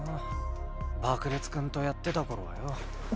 ばくれつ君とやってた頃はよ。